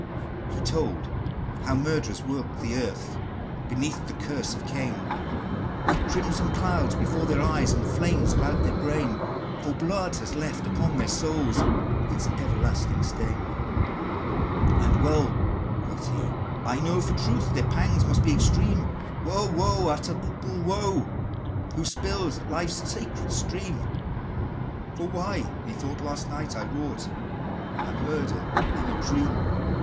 He told how murderers walk the earth Beneath the curse of Cain, With crimson clouds before their eyes, And flames about their brain: For blood has left upon their souls Its everlasting stain! XIII. "And well," quoth he, "I know, for truth, Their pangs must be extreme, Woe, woe, unutterable woe, Who spill life's sacred stream! For why? Methought, last night, I wrought A murder, in a dream!" XIV.